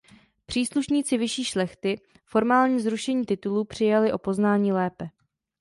Příslušníci vyšší šlechty formální zrušení titulů přijali o poznání lépe.